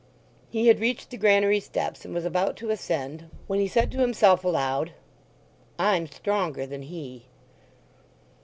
He had reached the granary steps and was about to ascend, when he said to himself aloud, "I'm stronger than he."